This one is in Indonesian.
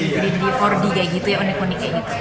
jadi di empat d kayak gitu ya unik unik kayak gitu